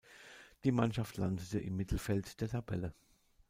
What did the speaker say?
Die Mannschaft landete im Mittelfeld der Tabelle.